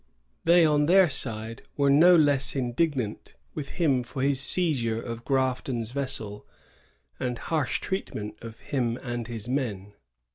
They, on their side, were no less indignant with him for his seizure of Grafton's vessel and harsh treatment of him and his men.